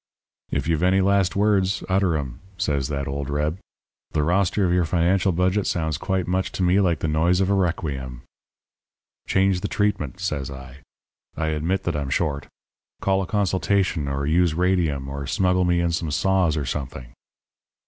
"'Then if you've any last words, utter 'em,' says that old reb. 'The roster of your financial budget sounds quite much to me like the noise of a requiem.' "'Change the treatment,' says I. 'I admit that I'm short. Call a consultation or use radium or smuggle me in some saws or something.'